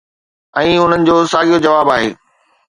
۽ انهن جو ساڳيو جواب آهي